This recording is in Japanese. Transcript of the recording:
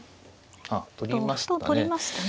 あっ取りましたね。